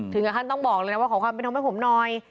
ถึงขั้นต้องบอกเลยนะว่าขอความเป็นธรรมให้ผมหน่อย